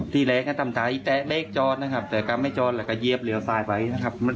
ครับก็ไม่ได้จะจ่ายความเร็วอะไรมาก